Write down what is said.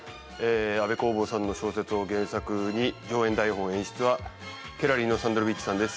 安部公房さんの小説を原作に、上演台本・演出はケラリーノ・サンドロヴィッチさんです。